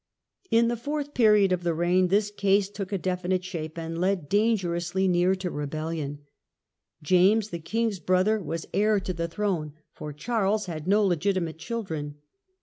In the fourth period of the reign this case took a defi nite shape, and led dangerously near to rebellion. James, New Pariia ^^^ king's brother, was heir to the throne, for ment and Charles had no legitimate children.